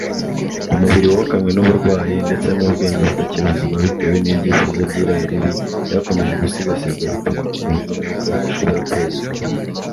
umubiri wokamwe n'uburwayi ndetse n'ubwenge butakiri buzima bitewe n'ibyifuzo by'irari ribi byakomeje gusigasirwa bituma umubiri n'umwuka bidashobora kwezwa